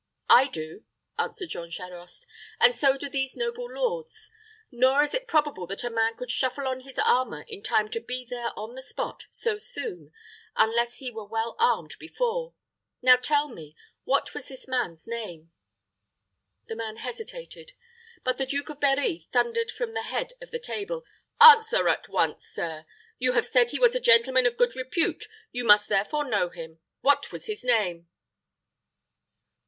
"I do," answered Jean Charost; "and so do these noble lords; nor is it probable that a man could shuffle on his armor in time to be there on the spot so soon, unless he were well armed before. Now tell me, what was this man's name?" The man hesitated; but the Duke of Berri thundered from the head of the table, "Answer at once, sir. You have said he was a gentleman of good repute; you must therefore know him. What was his name?"